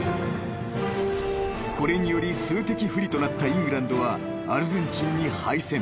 ［これにより数的不利となったイングランドはアルゼンチンに敗戦］